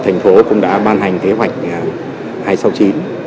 thành phố cũng đã ban hành kế hoạch hai trăm sáu mươi chín